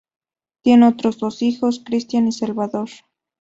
Tiene otros dos hijos: Christian y Salvador.